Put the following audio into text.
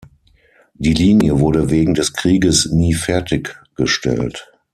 Die Linie wurde wegen des Krieges nie fertiggestellt.